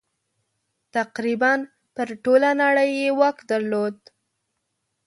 تقریباً پر ټوله نړۍ یې واک درلود.